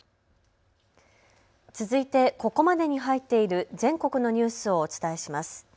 続いて、ここまでに入っている全国のニュースをお伝えします。